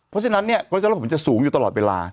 เพราะฉะนั้นเนี่ยก็จะรับผมจะสูงอยู่ตลอดเวลา